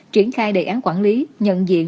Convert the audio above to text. triển khai đề án quản lý nhận diện